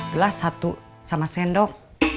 gelas satu sama sendok